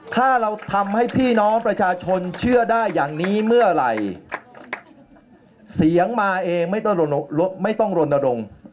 ถ้าเราทำให้พี่น้องประชาชนเชื่อได้อย่างนี้เมื่อไหร่เสียงมาเองไม่ต้องไม่ต้องรณรงค์